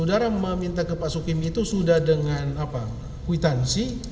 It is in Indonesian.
sudara meminta ke pak sukim itu sudah dengan apa kuitansi sudah dibayarkan atau belum